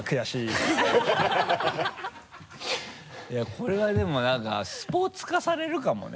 これはでもなんかスポーツ化されるかもね。